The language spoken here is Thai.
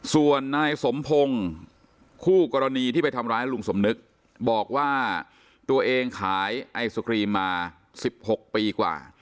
ส่วนนายสมพงศ์คู่กรณีที่ไปทำร้ายลุงสมนึกบอกว่าตัวเองขายไอศครีมมา๑๖ปีกว่า